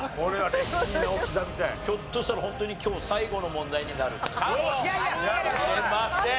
ひょっとしたらホントに今日最後の問題になるかもしれません。